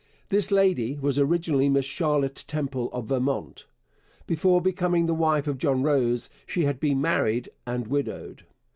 This lady was originally Miss Charlotte Temple of Vermont. Before becoming the wife of John Rose she had been married and widowed.